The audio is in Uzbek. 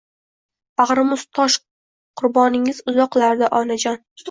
Bagri muz – tosh Qurboningiz uzoqlarda Onajon